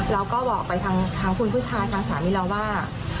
เราก็บอกไปทางคุณผู้ชายทางสามีเราว่า